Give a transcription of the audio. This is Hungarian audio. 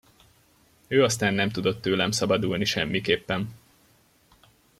Ő aztán nem tudott tőlem szabadulni semmiképpen.